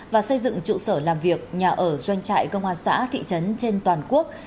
và xây dựng trụ sở làm việc nhà ở doanh trại công an xã thị trấn trên toàn quốc